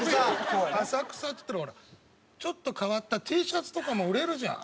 浅草っつったらほらちょっと変わったＴシャツとかも売れるじゃん。